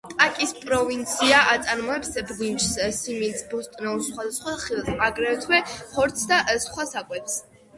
ტაკის პროვინცია აწარმოებს ბრინჯს, სიმინდს, ბოსტნეულს, სხვადასხვა ხილს, აგრეთვე ხორცს და სხვა საკვებს.